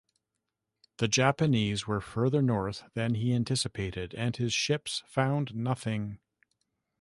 The Japanese were further north than he anticipated and his ships found nothing.